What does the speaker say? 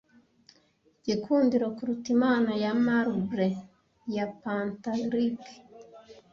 igikundiro kuruta imana ya marble ya pentelique